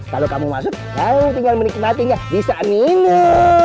kalau kamu masuk tinggal menikmatinya bisa minum